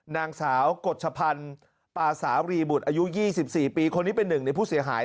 นางสาวกฎชพันธ์ปาสาวรีบุตรอายุ๒๔ปีคนนี้เป็นหนึ่งในผู้เสียหาย